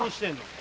あ！